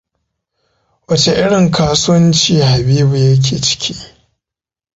Wace irin kasuwanci Habibu yake ciki?